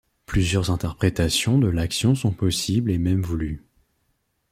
Plusieurs interprétations de l’action sont possibles et même voulues.